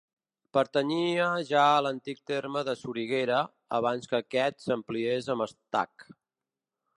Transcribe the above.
Pertanyia ja a l'antic terme de Soriguera, abans que aquest s'ampliés amb Estac.